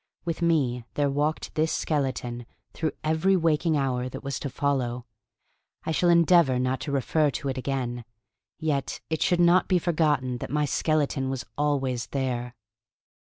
With me there walked this skeleton through every waking hour that was to follow. I shall endeavor not to refer to it again. Yet it should not be forgotten that my skeleton was always there.